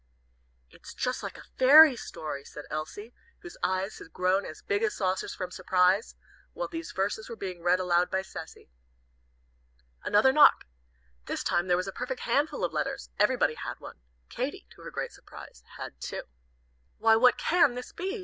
'" "It's just like a fairy story," said Elsie, whose eyes had grown as big as saucers from surprise, while these verses were being read aloud by Cecy. Another knock. This time there was a perfect handful of letters. Everybody had one. Katy, to her great surprise, had two. "Why, what can this be?"